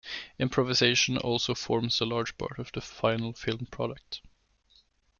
Improvisation also forms a large part of the final filmed product.